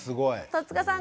戸塚さん